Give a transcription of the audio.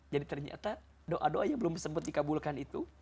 jadi ternyata doa doa yang belum sempat dikabulkan itu